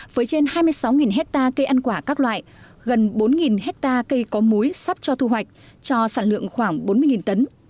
với trên hai mươi sáu hectare cây ăn quả các loại gần bốn hectare cây có múi sắp cho thu hoạch cho sản lượng khoảng bốn mươi tấn